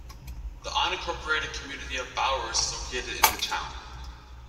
The unincorporated community of Bowers is located in the town.